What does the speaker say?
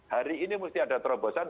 hari ini mesti ada terobosan